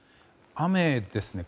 雨ですね。